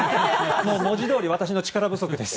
文字どおり私の力不足です。